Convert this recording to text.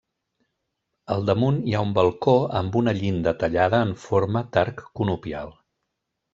Al damunt hi ha un balcó amb una llinda tallada en forma d'arc conopial.